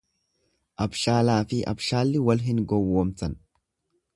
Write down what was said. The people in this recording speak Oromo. Abshaalaafi abshaalli wal hin gowwomsan.